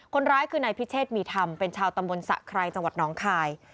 คนร้ายคือนายพิเชษมีธรรมเป็นชาวตำบลสะไครจังหวัดน้องคาย